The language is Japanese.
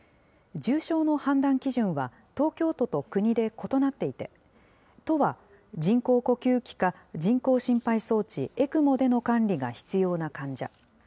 重症の判断基準は、東京都と国で異なっていて、都は人工呼吸器か、人工心肺装置・ＥＣＭＯでの管理が必要な患者。